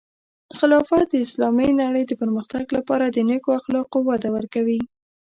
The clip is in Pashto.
خلافت د اسلامی نړۍ د پرمختګ لپاره د نیکو اخلاقو وده ورکوي.